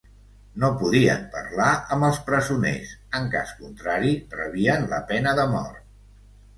No podien parlar amb els presoners; en cas contrari rebien la pena de mort.